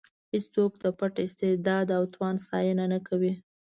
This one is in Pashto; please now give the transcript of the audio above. هېڅوک د پټ استعداد او توان ستاینه نه کوي.